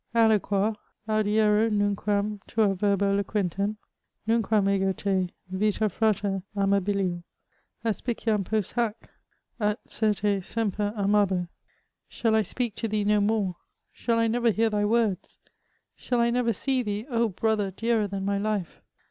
Alloqoar ? audiero nunquam tua verba loquentem ? Nunquam ego te, yita frater amabilior, Aspiciam post bac ? at, certe, semper amabo! *' Shall I speak to thee no more ? Shall I never hear thy words ? Shall I never see thee, oh! brother dearer than my life